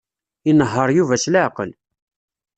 Inehheṛ Yuba s leɛqel.